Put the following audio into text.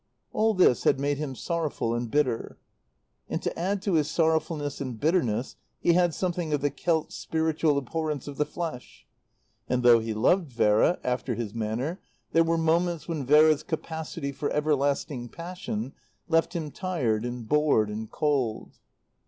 All this had made him sorrowful and bitter. And to add to his sorrowfulness and bitterness he had something of the Celt's spiritual abhorrence of the flesh; and though he loved Vera, after his manner, there were moments when Vera's capacity for everlasting passion left him tired and bored and cold.